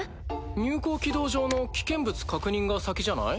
入港軌道上の危険物確認が先じゃない？